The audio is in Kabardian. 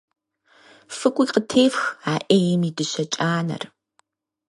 ФыкӀуи къытефх, а Ӏейм и дыщэ кӀанэр!